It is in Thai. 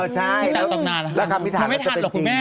ใช่แล้วความอธิษฐานมันจะเป็นจริง